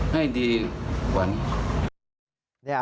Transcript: ให้ดีกว่านี้